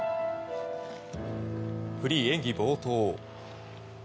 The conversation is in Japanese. フリー演技冒頭。